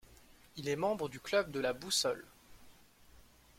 Il est membre du Club de la boussole.